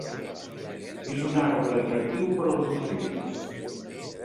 És un arbre atractiu per als ocells.